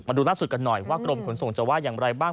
ดูล่าสุดกันหน่อยว่ากรมขนส่งจะว่าอย่างไรบ้าง